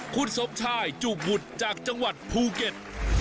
คุณสมชายจูบบุตรจากจังหวัดภูเก็ต